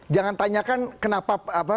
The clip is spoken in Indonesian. jangan tanyakan kenapa